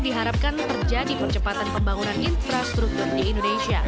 diharapkan terjadi percepatan pembangunan infrastruktur di indonesia